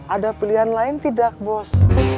ada pilihan lain tidak bos